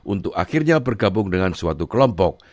untuk akhirnya bergabung dengan suatu kelompok